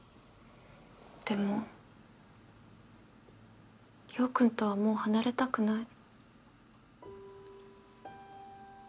でも陽君とはもう離れたくない。